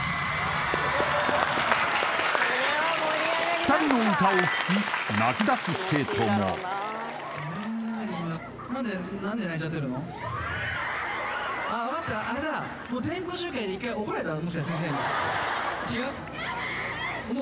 ２人の歌を聴き泣きだす生徒もあれだ違う？